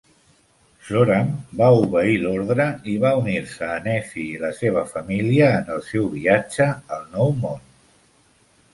Zoram va obeir l'ordre i va unir-se a Nefi i la seva família en el seu viatge al Nou Món.